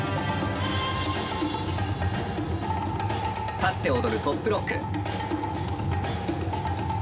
立って踊るトップロック。